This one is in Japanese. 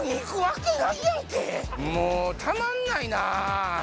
もうたまんないな！